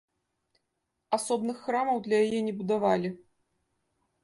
Асобных храмаў для яе не будавалі.